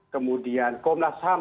kemudian komnas ham